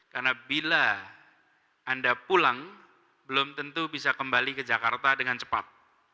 karena bila anda pulang belum tentu bisa kembali ke jakarta dengan cepat